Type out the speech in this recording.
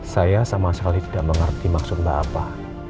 saya sama sekali tidak mengerti maksud mbak apa